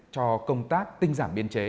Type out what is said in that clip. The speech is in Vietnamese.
cho công tác tinh giảm biên chế